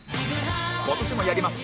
今年もやります